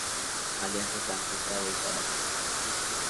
Alianza Francesa de Caracas.